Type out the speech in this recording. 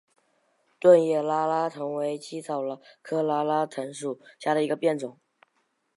钝叶拉拉藤为茜草科拉拉藤属下的一个变种。